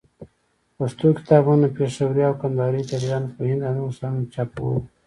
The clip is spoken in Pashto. پښتو کتابونه، پېښوري او کندهاري تاجرانو په هند او نورو ښارو چاپول.